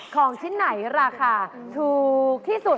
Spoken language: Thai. ของชิ้นไหนราคาถูกที่สุด